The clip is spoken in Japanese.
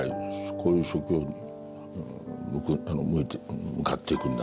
こういう職業に向かっていくんだ。